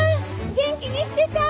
元気にしてた？